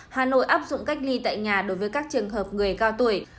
hà nội áp dụng cách ly tại nhà đối với các trường hợp người cao tuổi